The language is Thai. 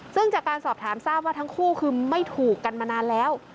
ซึ่งจากการสอบถามทราบว่าทั้งคู่คือไม่ถูกกันมานานแล้ว